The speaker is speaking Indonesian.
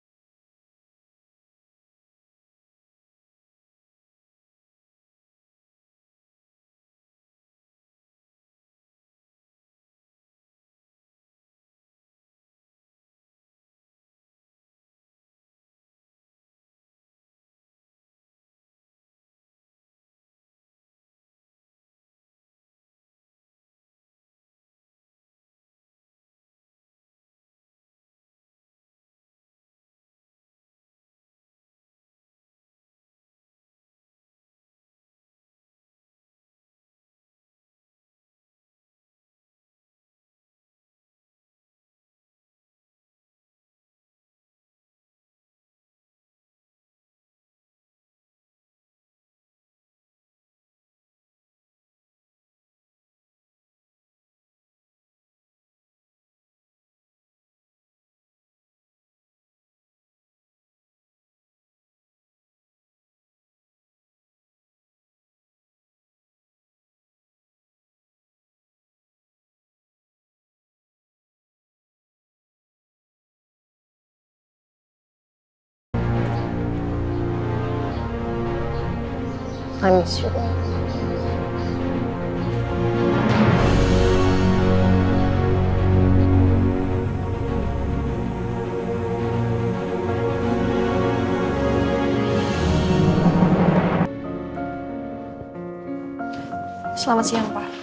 selamat siang pak